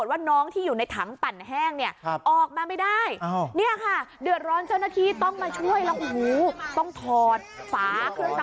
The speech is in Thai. ต้องถอดฝาเครื่องซักผ้า